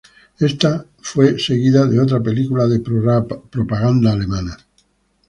Esta fue seguida de otra película de propaganda alemana.